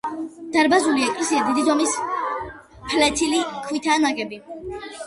დარბაზული ეკლესია დიდი ზომის ფლეთილი ქვითაა ნაგები.